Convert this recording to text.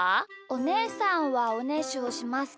おねえさんはおねしょしますか？